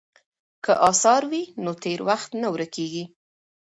که اثار وي نو تېر وخت نه ورکیږي.